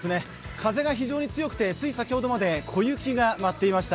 風が非常に強くて、先ほどまで小雪が舞っていました。